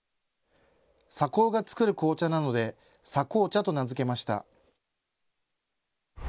狭工が作る紅茶なので狭紅茶と名付けました。